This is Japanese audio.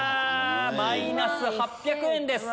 マイナス８００円です。